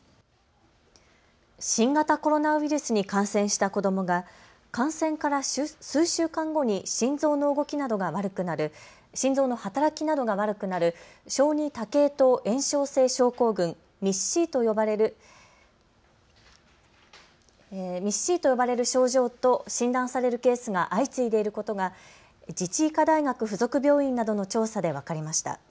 新型コロナウイルスに感染した子どもが感染から数週間後に心臓の働きなどが悪くなる小児多系統炎症性症候群・ＭＩＳ−Ｃと呼ばれる症状と診断されるケースが相次いでいることが自治医科大学附属病院などの調査で分かりました。